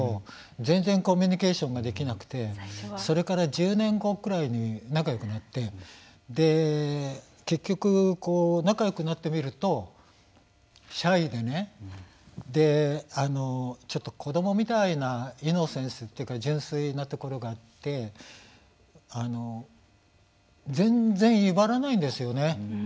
全然コミュニケーションができなくてそれから１０年後くらいに仲よくなってで、結局、仲よくなってみるとシャイでねちょっと子どもみたいなイノセンスというか純粋なところがあって全然威張らないんですよね。